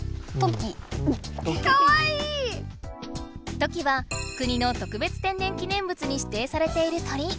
トキは国の特別天然記念物にしていされている鳥。